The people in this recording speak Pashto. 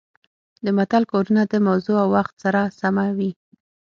د متل کارونه د موضوع او وخت سره سمه وي